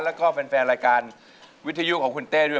แล้วก็แฟนรายการวิทยุของคุณเต้ด้วย